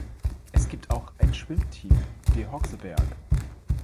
Es gibt auch ein Schwimmteam: De Hokseberg.